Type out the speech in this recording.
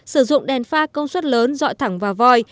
sử dụng đèn pha công suất lớn dọi thẳng vào voi